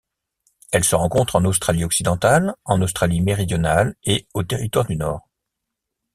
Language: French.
Elle se rencontre en Australie-Occidentale, en Australie-Méridionale et au Territoire du Nord.